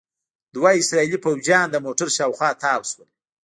دوه اسرائیلي پوځیان د موټر شاوخوا تاو شول.